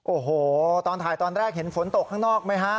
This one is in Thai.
โอ้โหตอนถ่ายตอนแรกเห็นฝนตกข้างนอกไหมฮะ